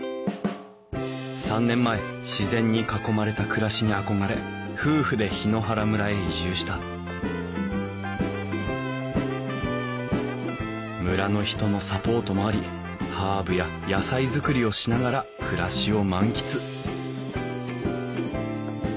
３年前自然に囲まれた暮らしに憧れ夫婦で檜原村へ移住した村の人のサポートもありハーブや野菜作りをしながら暮らしを満喫